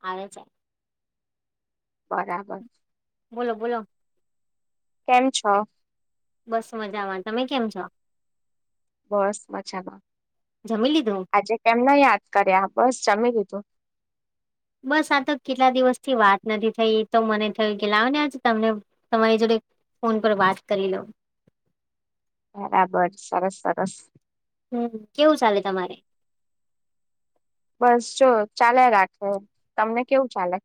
અરે છે બરાબર બોલો બોલો કેમ છો બસ મજામાં તમે કેમ છો બસ મજામાં જમી લીધું આજે કેમ ના યાદ કર્યા બસ ચાલે ની સીટો. બસ આ તો કેટલા દિવસ થી વાત નથી થઈ તો મને થયું કે લાવ ને આજે તમને તમારી જોડે ફોન પર વાત કરી લો બરાબર સરસ સરસ હમ કેવું ચાલે તમારે બસ જો ચાલે રાખે તમને કેવું ચાલે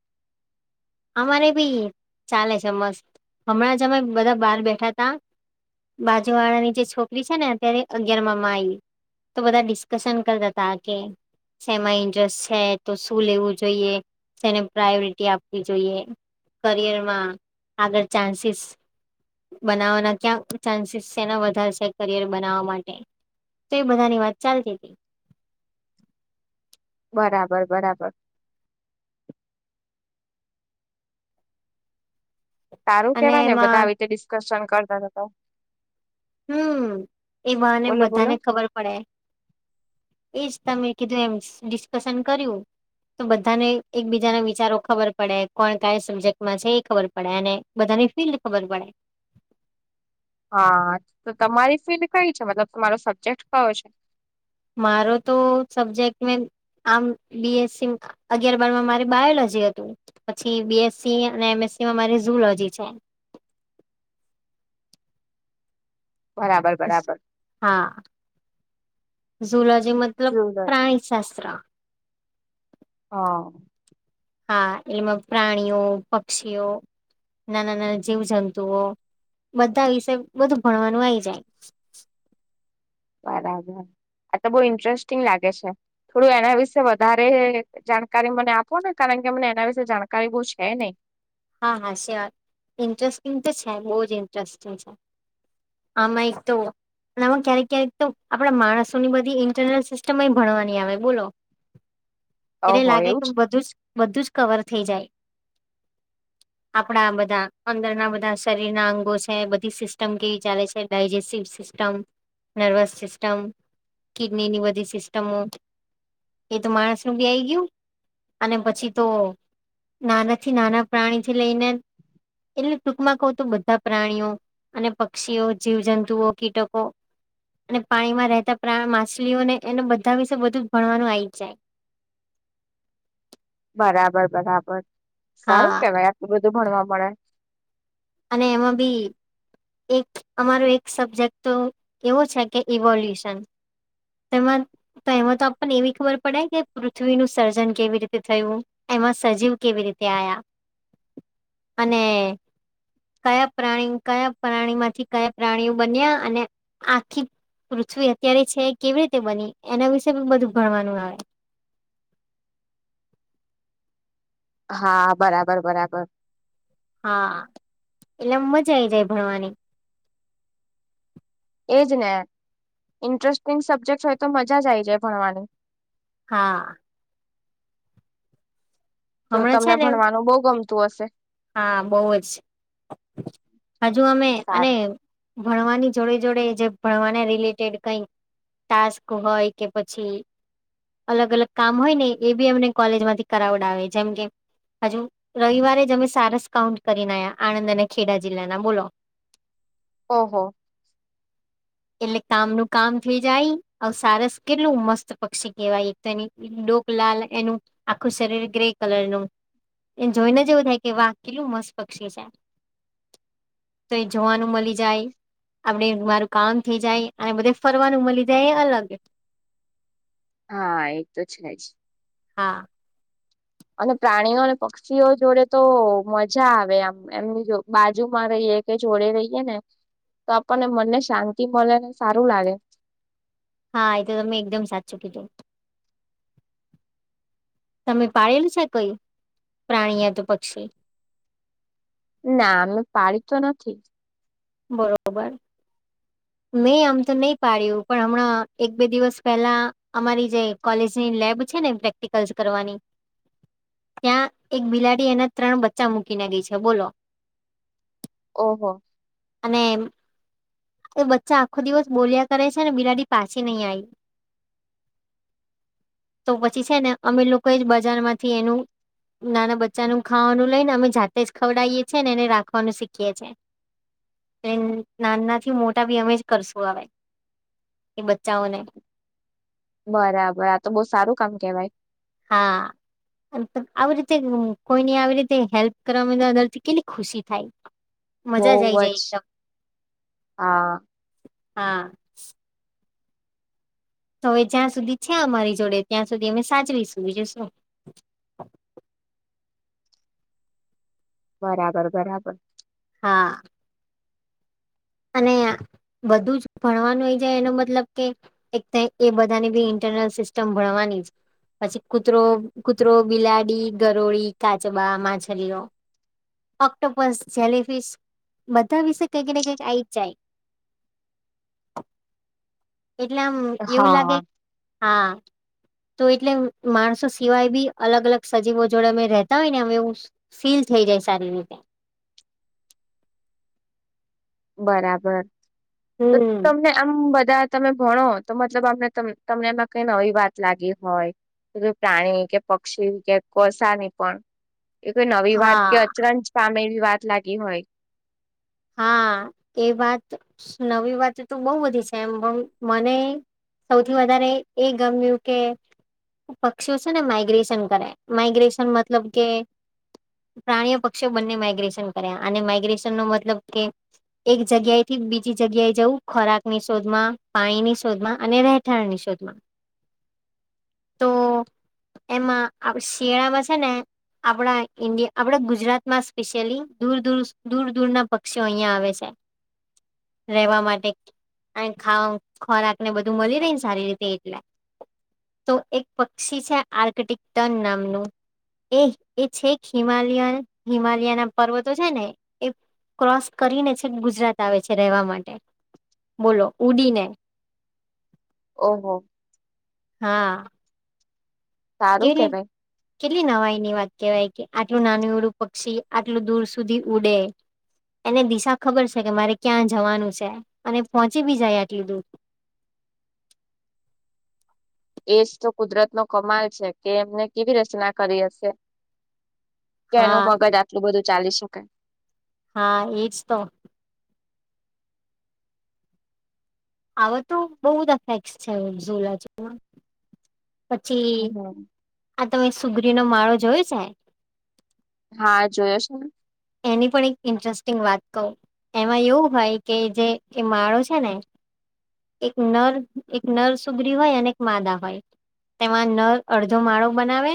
અમારે ભી ચાલે છે મસ્ત હમણાં જમે બધા બાર બેઠા તા બાજુવાળાની જે છોકરી છે ને અત્યારે અગિયારમાં માઈ તો બધા ડિસ્કશન કરતા હતા કે સમાં ઇન્ટરેસ્ટ છે તો શું લેવું જોઈએ જેને પ્રાયોરિટી આપ જોઈએ કરિયરમાં આગળ ચાન્સીસ બનાવાના ક્યાં ચાન્સીસ છે એને વધારેશે કરિયર બનાવવા માટે. તો એ બધાની વાત ચાલતી હતી બરાબર બરાબર તારું અને કેવાય ને બધા એમાં રીતે ડિસ્કશન કરતા હતા તો. હમ એ ભને બોલો બોલો બધાને ખબર પડે એજ તમે કીધું એમ ડિસ્કશન કર્યું તો બધાને એકબીજાના વિચારો ખબર પડે કોણ કઈ સબ્જેક્ટમાં છે એ ખબર પડે અને બધાની ફિલ્ડ ખબર પડે હા તો તમારી ફિલ્ડ કઈ છે મતલબ તમારો સબ્જેક્ટ કયો છે મારો તો સબ્જેક્ટ મે આમ બીએસસી અગિયાર બારમાં મારી બાયોલોજી હતું પછી બીએસસી અને એમ મારી ઝુલોજી છે બરાબર બરાબર હા ઝુલોજી મતલબ ઝૂલોજી. પ્રાણીશાસ્ત્ર હા. હા એમાં પ્રાણીઓ પક્ષીઓ નાના નાના જીવ જંતુઓ બધા વિશે બધું ભણવાનું આવી જાય બરાબર આ તો બઉ ઇન્ટરેસ્ટિંગ લાગે છે થોડું એના વિશે વધારે જાણકારી મને આપો ને કારણ કે કે અમને એના વિશેે જાણકારી બહુ છે નહી હા હા શ્યોર ઇન્ટરેસ્ટિંગ તો છે બહ જ ઇન્ટરેસ્ટિંગ છે આમાં એક તો આમાં ક્યારેક ક્યારેક તો આપડા માણસોની બધી ઇન્ટરનલ સિસ્ટમ ભણવાની આવે બોલો એને ઓહો લાગે એવું કેધું છે બધું જ કવર થઈ જાય આપણા બધા અંદરના બધા શરીર ના અંગો છે બધી સિસ્ટમ કેવી ચાલે છે ડાયજેસ્ટિવ સસ્ટ નર્વસ સિસ્ટમ કિડનીની બધી સિસ્ટમો એ તો માણસ નું બી આઈ ગયું અને પછી તો નાના થી નાના પ્રાણીથી લઈને એટલે ટૂંકમાં કહ તોું બધા પ્રાણીઓ અને પક્ષીઓ જીવજંતુઓ કીટકો અને પાણીમાં રહેતા પ્રાણ માછલીઓને એને બધા વિશે બધું ભણવાનું આવી જાય બરાબર બરાબર સારું હા કેવાય આટલું બધું ભણવા મળે અને એમાં બી એક અમારો એક સબ્જેક્ટ તો એવો છે કે ઇવોલ્યુશન તેમાં તો એમાં તો આપણને એવી ખબર પડે કે પૃથ્વીનું‌ સર્જન કેવી રીતે થયું? એમાં સજીવ કેવી રીતે આયા. [inaudible] અને કયા પ્રાણી કયા પ્રાણી માંથી કયા પ્રાણીઓ બન્યા અને આખી પૃથ્વી અત્યારે છે કેવી રીતે બની એના વિશે પણ બધું ભણવાનું આવે [inaudible] હા બરાબર બરાબર હા એટલે મજા આઈ જાય ભણવાની એજ ને ઇન્ટરેસ્ટિંગ સબ્જેક્ટસ હોય તો મજા જ આ આવી જાય ભણવાની હા તો હમણાં છે તમને ને ભણવાનું બહુ ગમતું હશે હા બઉ જ હજુ અમે અને સારું ભણવાની જોડે જોડે જે ભણવાના રિલેટેડ કઈ ટાસ્ક હોય કે પછી અલગ અલગ કામ હોય ને એ બી અમને કોલેજમાંથી કરાવડાવે જેમ કે હજુ રવિવારે જ અમે સારસ કાઉન્ટ કરીને આયા આણંદ અને ખેડા જિલ્લાના બોલો ઓહો એટલે કામનું કામ થઈ જાય અવે સારસ કેટલું મસ્ત પક્ષી કેવાય એક તો એની ડોક ડોક લાલ એનું આખું શરીર ગ્રે કલર નું એને જોઈને જ એવું થાય કે વા કેટલું મસ્ત પક્ષી છે તો એ જોવાનું મળી જાય. આપણે મારું કામ થઈ જાય અને બધે ફરવાનું મલી જાય અલગ હા એ તો છે જ હા અને પ્રાણીઓ અને પક્ષીઓ જોડે તો મજા આવે આમ એમની જો બાજુમાં રહીએ. કે જોડે રહીએ ને તો આપણને મનને શાંતિ મલે ને સારું લાગે હા એ તો તમે એકદમ સાચું કીધું. તમે પાળેલું છે કઈ પ્રાણી યાતો પક્ષી ના અમે પાડી તો નથી બરોબર. [inaudible] મેય આમ તો નહી પાડ્યું પણ હમણાં એક બે દિવસ પહેલા અમારી જે કોલેજની લેબ છે. છે ને પ્રેક્ટિકલ્સ કરવાની [inaudible] ત્યાં એક બિલાડી એના ત્રણ બચ્ચા મૂકીને ગઈ છે બોલો. ઓહો અને એ બચ્ચા આખો દિવસ બોલ્યા કરે છે ને બિલાડી પાછી નહી આઈ [inaudible] તો પછી છે ને અમે લોકો એ જ બજાર માંથી એનું નાના બચ્ચાનું ખાવાનું લઈ ને અમે જાતે જ ખવડાઈએ છે ને એને રાખવાનું શીખીએ છીએ [inaudible] એ નાનાથી મોટા ભી અમે જ કરશું આવે એ બચ્ચાઓને. બરાબર આ તો બહુ સારું કામ કેવાય. હા [unintelligible] આવી રીતે કોઈની આવી રીતે હેલ્પ કરવાવામાં અંદરથી કેટલી ખુશી થાય. મજા જ આઈ જાય એકદમ હા હા. હવે જ્યાં સુધી છે અમારી જોડે ત્યાં સુધી અમે સાચવીશું બીજું શું [inaudible] બરાબર બરાબર હા. અને બધું જ ભણવાનું હોય જાય એનો મતલબ કે એક એ બધાની બી ઇન્ટ સિસ્ટમ ભણવાની પછી કૂતરો કૂતરો બિલાડી ગરોળી કાચબા માછલીઓ ઓક્ટોપસ જેલીફિશ બધા વિશે કઈક ને કઈક કાઈ ચાય એટલે આમ એવું લાગે હા હા તો એટલે માણસો સિવાય બી અલગ અલગ સજીવો જોડે અમે રેતા હોય ને અ એવું ફીલ થઈ જય સારી રીતે બરાબર તો હમ તમને આમ બ ધા તમે ભણો તો મતલબ અમને તમ તમને એમાં કઈ નવી વાત લાગી હોય પ્રાણી કે પક્ષી કે કોસાની પણ એ કોઈ નવી વાત કે હા અચરંજ પામે એવી વાત લાગી હોય હા એ વાત નવી વાત તો બહુ બધી છે એમ પણ મને સૌથી વધારે એ ગમ્યું કે પક્ષીઓ છે ને માઈગ્રેશન કરે માઈગ્રેશન મતલબ કે પ્રાણીઓ પક્ષી બંને માઇગ્રેશન કર્યા અને માઇગ્રેશન નો મતલબ કે એક જગ્યા થી બીજી જગ્યાએ જવું ખોરાક ની શોધમાં પાણીની શોધમાં અને રહેઠાણ ની શો ધમા એમાં આપ શિયાળામાં છે ને આપણા ઇન્ડિયા આપડા ગુજરાતમાં સ્પેશિયલી દૂર દૂર દૂર દૂરના પક્ષીઓ અહિયાં આવે છે રહેવા માટે આઈ ખાવા ખોરાક ને બધું મલી રે ને સારી રીતે એટલે તો એક પક્ષી છે આર્કિટિક્ટન નામનું એ એ છે હિમાલયન હિમાલય ના પર્વતો છે ને એ ક્રોસ કરીને છે ગુજરાત આવે છે રહેવા માટે બોલો ઉડીને ઓહો હા સારું કેલી કેવાય કેટલી નવાઈ ની વાત કેવાય કે આટલું નાનું એવડું પક્ષી આટલું દૂર સુધી ઉડે એને દિશા ખબર છે કે મારે ક્યાં જવાનું છે અને પહોંચી બી જાય આટલી દૂર [inaudible] એજ તો કુદરત નો કમાલ છે કે એમને કેવી રચના કરી હશે કે એનું હા મગજ આટલું બધું ચાલી શકાય હા એજ તો આવ તો બોવ બધા ફેકસ છે ઝોલા ચોમા પછી હમ આ તમે સુગરીનો માળો જોયો છે. હા જોયો છેને એની પણ એક ઇન્ટરેસ્ટિંગ વાત કવ એમાં એવું હોય કે જે એ માળો છે ને એક નર એક નરસુગરી હોય અને એક માદા હોય તેમાં નર અડધો માળો બનાવે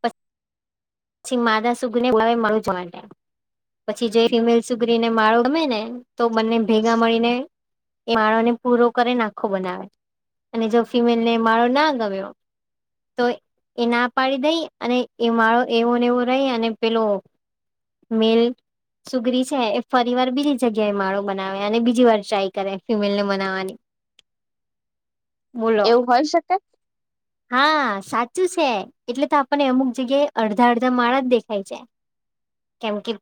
પ છી માદા સુગ ને બોલાવે મળો જોવા માટે પછી જો ફિમેલ સુધરીને માળો ગમે ને તો બને ભેગા મળીને એ માળોને પૂરો કરી નાખો બનાવે અને જો ફિમેલ ને માળો ના ગમ્યો તો એ ના પાડી દઈ અને એ માળો એવો ને એવો રહી અને પેલો મેલ સુગરી છે એ ફરી વાર બીજી જગ્યાએ માળો બનાવે અને બીજી વાર ટ્રાય કરે ફિમેલને મનાવાની [inaudible] એવું હોય શકે. હા સાચું છે એટલે તો આપણને અમુક જગ્યાએ અડધા અડધા માળા જ દેખાય છે. કેમ કે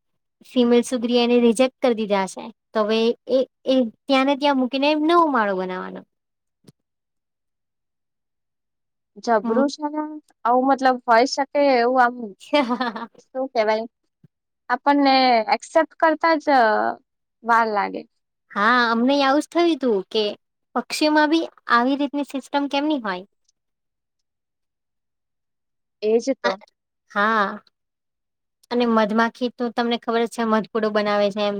સિમલ સુગ્રિયા એને રિજેક્ટ કરી દીધા છે હવે એ એ ત્યાં ને ત્યાં મૂકીને એમ ન માળો બનાવાનો. [inaudible] જબરું છે ને આવું મતલબ હોય શકે એવું હ હ. શું કેવાય આપણને એક્સેપ્ટ કરતા જ વાર લાગે. હા અમને આવવુંજ થયું તું કે પક્ષીઓમાં બી આવી રીતની સિસ્ટમ કેમની હોય. [inaudible] એજ તો હા. અને મધમાખી તમને ખબર જ છે મધપૂડો બનાવે છે એમ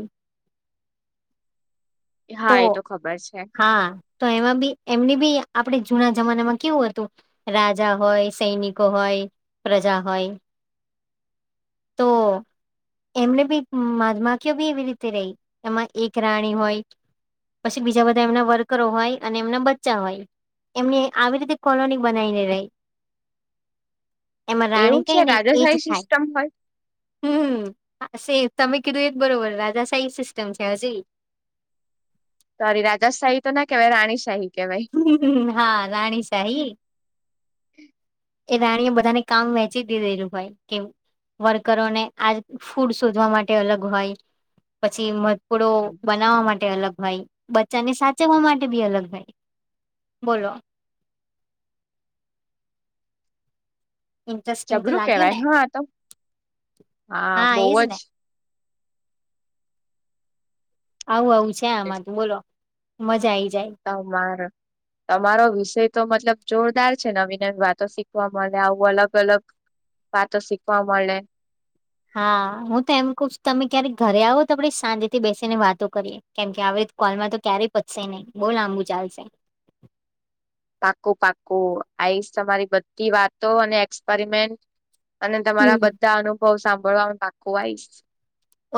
હા એ તો ખબર છે. હા તો એમાં બી એમને બી આપણે જુના જમાનામાં કેવું હતું રાજા હોય સૈનિકો હોય પ્રજા હોય [inaudible] તો એમને બી માધમાખીઓ બી એવી રીતે રહી એમાં એક રાણી હોય. પછી બીજા બધા એમના વર્કરો હોય અને એમના બચ્ચા હોય. એમને આવી રીતે કોલોની બનાવીને રહી એમાં રાણી એવું છે કઈ ને એજ રાજાશાહી થાય સિસ્ટમ હોય હમ સે તમે કીધું એ જ બરોબર રાજા સા એ સિસ્ટમ છે હજી સા રી રાજ શાહી તો ના કેવાય રાણી શાહી હા રાણીશાહી. હમ એ રાણી એ બધાને કામ વહેંચી દીધેલું ભાઈ કેમ વર્કરોને આજ ફૂડ શોધવા માટે અલગ હોય પછી થોડો બનાવવા માટે. અલગ ભાઈ બચ્ચા ને સાચવવા માટે બી અલગ ભાઈ બોલો. [inaudible] ઇન્ટરેસ્ટિંગ તો ચબરું લાગ્યું ને કેવાય હ તો હા બહ એજ જ ને આવું આવું છે આમાં તું બોલો મજા આવીઈ. તમારે તમારો વિષય. તો મતલબ જોરદાર છે નવી નવી વાતો શીખવા મળે આવું અલગ અલગ વાતો શીખવા મળે. હા હું તો એમ ક તમે ક્યારેક ઘરે આવો તો આપે સાંજેથી બેસીને વાતો કરીએ કેમ કે આવે કોલમાં તો ક્યારેય પચશે નહિ બહુ લાંબુ ચાલશે. [inaudible] પાકું પાકું આઈશ તમારી બધી વાતો અને એક્સપેરિમેન્ટ અને તમારા હમ બધા અનુભવ સાંભળવાનું પાકું આવીશ.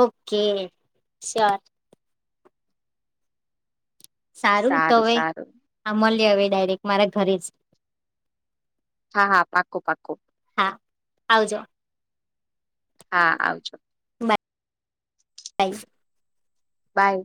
ઓકે સ્યોર સારું તો હવે આ મળી હવે ડાયરેક્ટ મારા ઘરે જ હા હા પાકું પાકોું આવજે હા આવજો. [inaudible] બાય